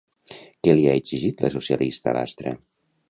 Què li ha exigit la socialista Lastra?